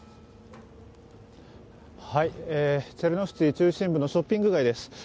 チェルノフツィ中心部のショッピング街です。